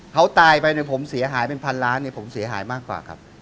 เขาตายไปเนี่ยผมเสียหายเป็นพันล้านเนี่ยผมเสียหายมากกว่าครับ